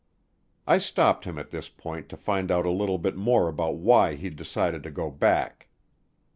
I stopped him at this point to find out a little bit more about why he'd decided to go back.